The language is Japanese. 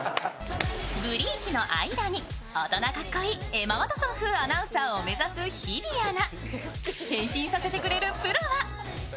ブリーチの間に大人かっこいいエマ・ワトソン風を目指す日々アナ。